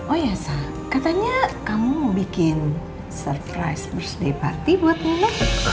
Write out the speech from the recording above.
oh ya sa katanya kamu mau bikin surprise birthday party buat nino